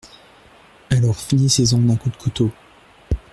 Alors finissez-en d'un coup de couteau.